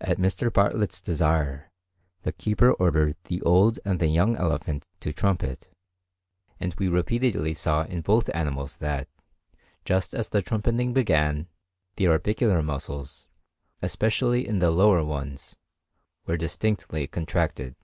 At Mr. Bartlett's desire the keeper ordered the old and the young elephant to trumpet; and we repeatedly saw in both animals that, just as the trumpeting began, the orbicular muscles, especially the lower ones, were distinctly contracted.